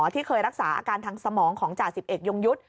ที่เคยรักษาอาการทางสมองของจ่าสิบเอกยงยุทธ์